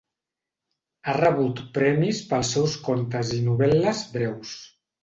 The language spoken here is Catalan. Ha rebut premis pels seus contes i novel·les breus.